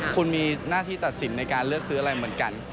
คุณมีหน้าที่ตัดสินในการเลือกซื้ออะไรเหมือนกัน